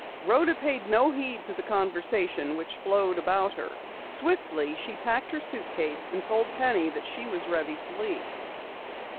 Rhoda paid no heed to the conversation which flowed about her. Swiftly she packed her suitcase and told Penny that she was ready to leave.